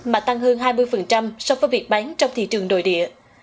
mà tăng hơn hai mươi so với việc bán trong thị trường nội địa